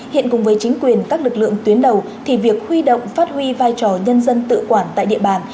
hiện cùng với chính quyền các lực lượng tuyến đầu thì việc huy động phát huy vai trò nhân dân tự quản tại địa bàn